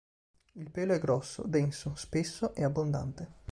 Il pelo è grosso, denso, spesso e abbondante.